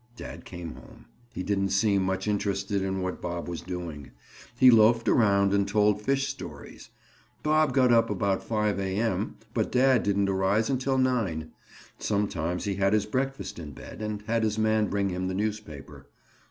Dad came home. He didn't seem much interested in what Bob was doing. He loafed around and told fish stories. Bob got up about five a.m. but dad didn't arise until nine. Sometimes he had his breakfast in bed and had his man bring him the newspaper.